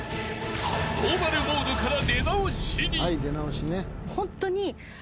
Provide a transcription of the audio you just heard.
［ノーマルモードから出直しに］